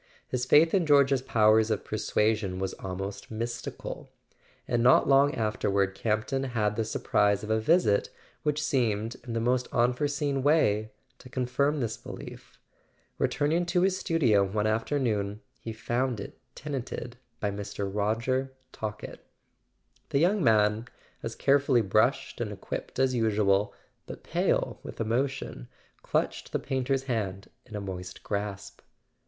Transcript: His faith in George's powers of persuasion was almost mystical. And not long afterward Campton had the surprise of a visit which seemed, in the most unforeseen way, to confirm this belief. Returning to his studio one after¬ noon he found it tenanted by Mr. Roger Talkett. The young man, as carefully brushed and equipped as usual, but pale with emotion, clutched the painter's hand in a moist grasp.